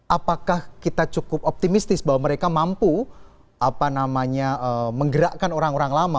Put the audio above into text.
apakah kita cukup optimistis bahwa mereka mampu menggerakkan orang orang lama